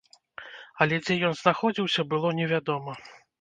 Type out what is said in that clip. Але дзе ён знаходзіўся, было невядома.